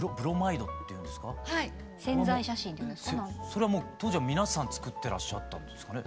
それはもう当時は皆さん作ってらっしゃったんですかね？